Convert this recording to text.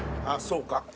あぁそうか。